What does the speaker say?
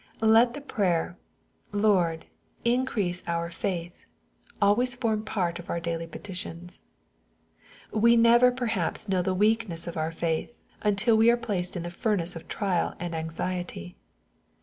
Let the prayer " Lord, increase our faith," always form part of our daily petitions. We ne ver pe rhaps know the weakness of our faith, until we are placed in the furnace of trial and anxiety.